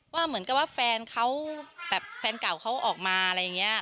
ว่าเหมือนกับว่าแฟนเขาแบบแฟนเก่าเขาออกมาอะไรอย่างนี้